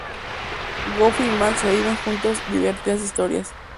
Goofy y Max reviven juntos divertidas historias.